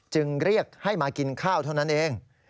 จึงเรียกให้มากินข้าวเท่านั้นเอง